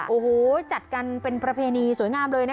โอ้โหจัดกันเป็นประเพณีสวยงามเลยนะ